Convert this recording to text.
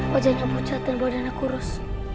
wajahnya pucat dan badannya kurus